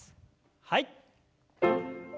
はい。